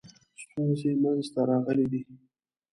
ستونزې منځته راغلي دي.